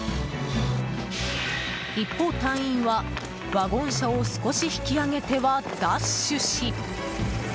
一方、隊員はワゴン車を少し引き上げてはダッシュし。